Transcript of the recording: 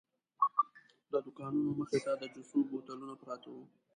د دوکانونو مخې ته د جوسو بوتلونه پراته وو.